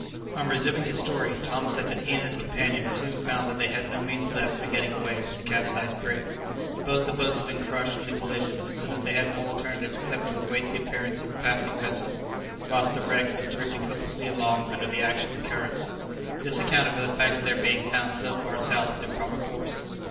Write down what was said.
On resuming his story, Tom said that he and his companions soon found that they had no means left for getting away from the capsized brig; both the boats had been crushed in the collision, so that they had no alternative except to await the appearance of a passing vessel, whilst the wreck was drifting hopelessly along under the action of the currents. This accounted for the fact of their being found so far south of their proper course.